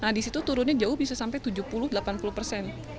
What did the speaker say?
nah di situ turunnya jauh bisa sampai tujuh puluh delapan puluh persen